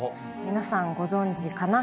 皆さんご存じかな。